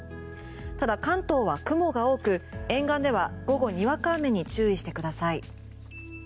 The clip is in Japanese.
ただ、関東は雲が多く沿岸では午後にわか雨に注意してください。